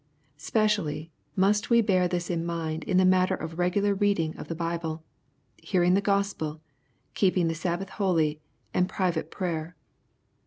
Specially must we bear this in mind in the matter of regularly reading the Bible, hearing the Gospel, keeping the Sabbath holy, and private ])rayer.